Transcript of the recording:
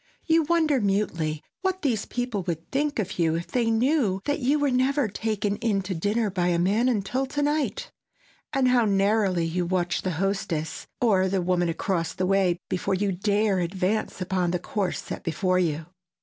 You wonder mutely what these people would think of you if they knew that you were never "taken in" to dinner by a man until to night, and how narrowly you watch the hostess, or the woman across the way before you dare advance upon the course set before you.